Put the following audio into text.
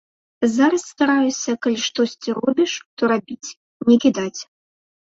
Зараз стараюся, калі штосьці робіш, то рабіць, не кідаць.